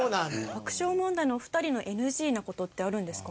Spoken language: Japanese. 爆笑問題のお二人のＮＧな事ってあるんですか？